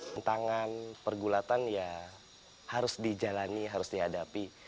tentangan pergulatan ya harus dijalani harus dihadapi